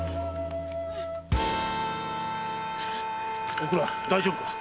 おくら大丈夫か？